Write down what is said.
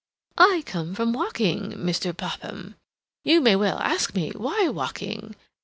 "I come from Woking, Mr. Popham. You may well ask me, why Woking?